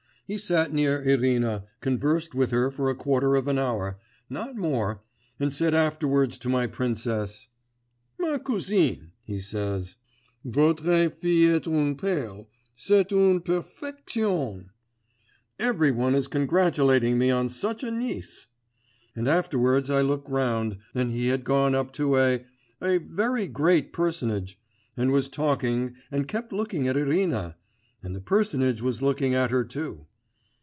He sat near Irina, conversed with her for a quarter of an hour, not more, and said afterwards to my princess: "Ma cousine," he says, "votre fille est une perle; c'est une perfection, every one is congratulating me on such a niece...." And afterwards I look round and he had gone up to a ... a very great personage, and was talking, and kept looking at Irina ... and the personage was looking at her too.